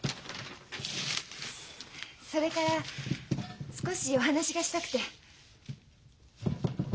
それから少しお話がしたくて。